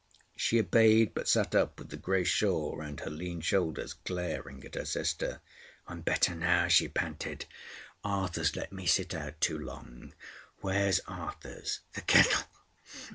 She obeyed, but sat up with the grey shawl round her lean shoulders, glaring at her sister. "I'm better now," she panted. "Arthurs let me sit out too long. Where's Arthurs? The kettle."